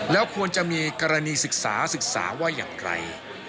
แล้วควรจะมีกรณีศึกษาศึกษาว่าอย่างไร